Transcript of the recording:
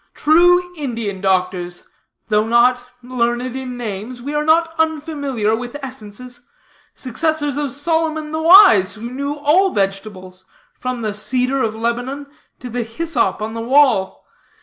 True Indian doctors, though not learned in names, we are not unfamiliar with essences successors of Solomon the Wise, who knew all vegetables, from the cedar of Lebanon, to the hyssop on the wall.